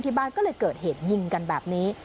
ที่บ้านก็เลยเกิดเหตุยิงกันแบบนี้